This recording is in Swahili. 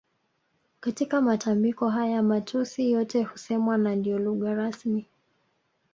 Katika matambiko haya matusi yote husemwa na ndio lugha rasmi